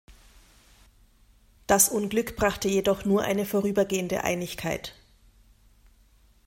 Das Unglück brachte jedoch nur eine vorübergehende Einigkeit.